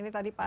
ini tadi pak